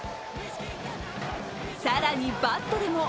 更に、バットでも。